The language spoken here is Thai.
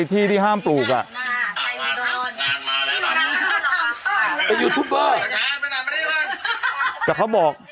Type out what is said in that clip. แต่เขาบอก